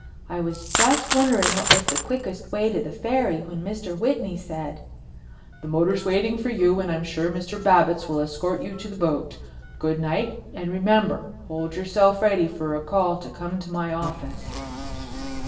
I was just wondering what was the quickest way to the Ferry when Mr. Whitney said: "The motor's waiting for you and I'm sure Mr. Babbitts will escort you to the boat. Good night and remember—hold yourself ready for a call to come to my office."